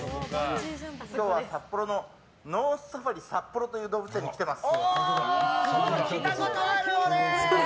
今日は札幌のノースサファリサッポロという動物園に来ています。